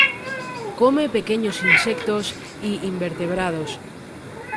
Come pequeños insectos y invertebrados.